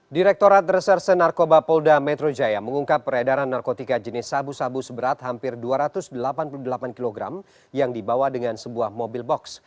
direkturat reserse narkoba polda metro jaya mengungkap peredaran narkotika jenis sabu sabu seberat hampir dua ratus delapan puluh delapan kg yang dibawa dengan sebuah mobil box